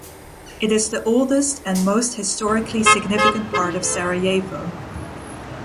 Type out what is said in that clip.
It is the oldest and most historically significant part of Sarajevo.